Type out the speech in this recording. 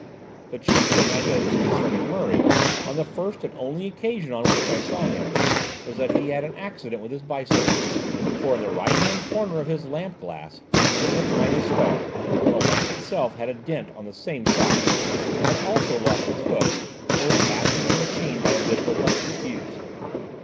The chief thing I noticed concerning Murray, on the first and only occasion on which I saw him, was that he had had an accident with his bicycle, for in the right hand corner of his lamp glass there was a tiny star, and the lamp itself had a dent on the same side, had also lost its hook, and was fastened to the machine by a bit of electric fuse.